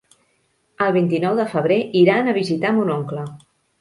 El vint-i-nou de febrer iran a visitar mon oncle.